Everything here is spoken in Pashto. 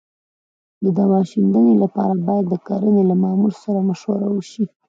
د دوا شیندنې لپاره باید د کرنې له مامور سره مشوره وشي.